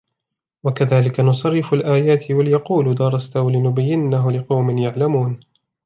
وَكَذَلِكَ نُصَرِّفُ الْآيَاتِ وَلِيَقُولُوا دَرَسْتَ وَلِنُبَيِّنَهُ لِقَوْمٍ يَعْلَمُونَ